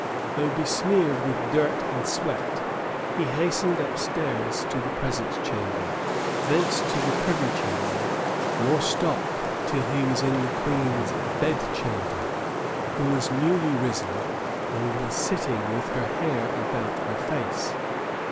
[] Though besmeared with dirt and sweat, he hastened upstairs to the presence chamber, thence to the privy chamber; nor stopped till he was in the queen's bed chamber, who was newly risen, and was sitting with her hair about her face.